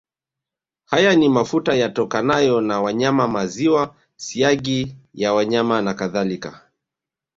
Haya ni mafuta yatokanayo na wanyama maziwa siagi ya wanyama nakadhalika